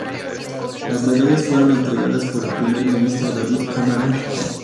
Las medallas fueron entregadas por el primer ministro David Cameron.